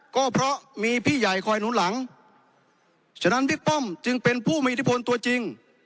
ก็เพราะมีพี่ใหญ่คอยหนุนหลังฉะนั้นบิ๊กป้อมจึงเป็นผู้มีอิทธิพลตัวจริง